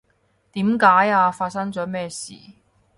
點解呀？發生咗咩事？